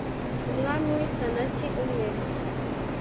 umwami w'i tanaki, umwe